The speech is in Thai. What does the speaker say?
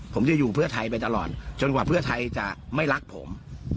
ผมจะอยู่เพื่อไทยไปตลอดจนกว่าเพื่อไทยจะไม่รักผม